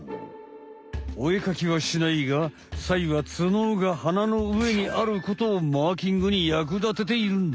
お絵描きはしないがサイは角が鼻の上にあることをマーキングにやくだてているんだ！